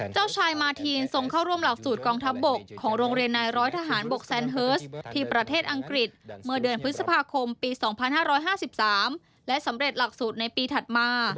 เจ้าชายมาทีนทรงเข้าร่วมหลักสูตรกองทัพบกของโรงเรียนนายร้อยทหารบกแซนเฮิร์สที่ประเทศอังกฤษเมื่อเดือนพฤษภาคมปี๒๕๕๓และสำเร็จหลักสูตรในปีถัดมา